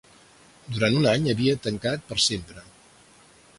Durant un any havia tancat per sempre.